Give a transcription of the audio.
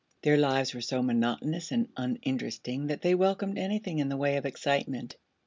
Their lives were so monotonous and uninteresting that they welcomed anything in the way of excitement.